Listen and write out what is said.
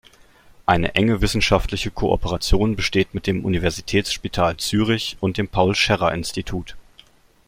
Eine enge wissenschaftliche Kooperation besteht mit dem Universitätsspital Zürich und dem Paul Scherrer Institut.